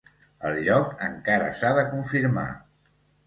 El lloc encara s’ha de confirmar.